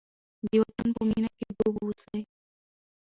د وطن په مینه کې ډوب اوسئ.